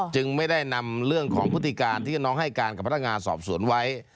จึงไม่ได้นำเรื่องของพฤติการที่น้องให้การกับพนักงานสอบสวนไว้